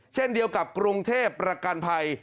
เช่นเดียวกับกรุงเทพประกันภัย